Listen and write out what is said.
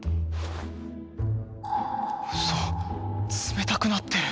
ウソ冷たくなってる！